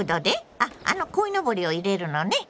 あっあのこいのぼりを入れるのね？